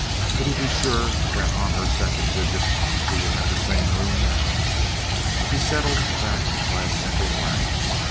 Could he be sure that on her second visit she would have the same room? He settled that by a single glance.